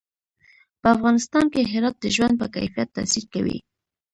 په افغانستان کې هرات د ژوند په کیفیت تاثیر کوي.